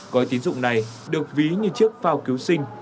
gói tín dụng này được ví như chiếc phao cứu sinh